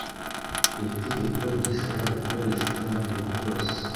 Iri tegeko ntirishobora gukoreshwa mubihe byose.